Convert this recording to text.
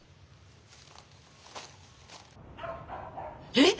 えっ！？